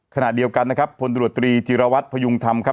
ขณะเดียวกันนะครับหลวงดรตรีจิรวัตรพยุงทำ